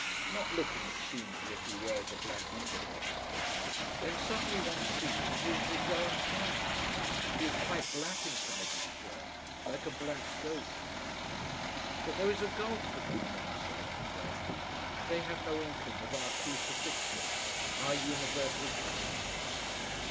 Not looking, it seems as if he wears a black undervest. Then suddenly, one sees it is his own hair. He is quite black inside his shirt, like a black goat. But there is a gulf between oneself and them. They have no inkling of our crucifixion, our universal consciousness.